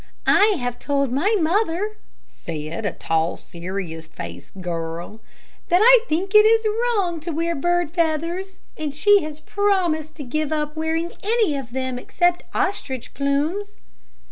"I have told my mother," said a tall, serious faced girl, "that I think it is wrong to wear bird feathers, and she has promised to give up wearing any of them except ostrich plumes."